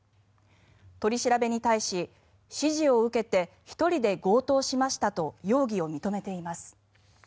取り調べに対し、指示を受けて１人で強盗しましたと容疑を認めています。